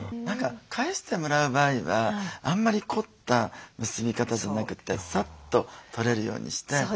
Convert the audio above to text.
何か返してもらう場合はあんまり凝った結び方じゃなくてサッと取れるようにして。